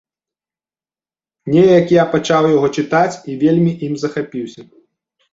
Неяк я пачаў яго чытаць і вельмі ім захапіўся.